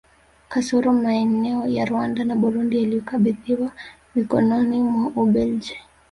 Kasoro maeneo ya Rwanda na Burundi yaliyokabidhiwa mikononi mwa Ubelgiji